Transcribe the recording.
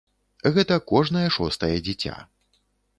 Гэта кожнае шостае дзіця.